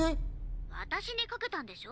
私にかけたんでしょ？